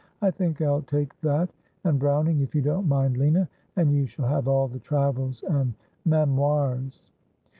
I think I'll take that and Browning, if you don't mind, Lina ; and you shall have all the Travels and Memoirs.'